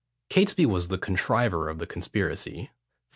Catesby was the contriver of the conspiracy.